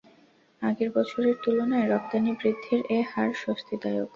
আগের বছরের তুলনায় রপ্তানি বৃদ্ধির এ হার স্বস্তিদায়ক।